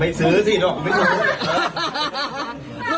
ไม่ซื้อสิหรอกไม่ซื้อ